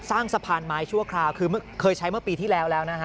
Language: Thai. สร้างสะพานไม้ชั่วคราวคือเคยใช้เมื่อปีที่แล้วแล้วนะฮะ